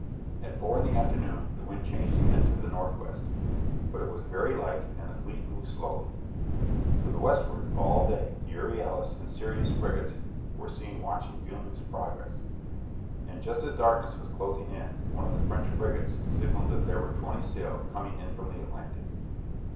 At four in the afternoon the wind changed again to the north west, but it was very light and the fleet moved slowly. To the westward all day the "Euryalus" and "Sirius" frigates were seen watching Villeneuve's progress, and just as darkness was closing in one of the French frigates signalled that there were twenty sail coming in from the Atlantic.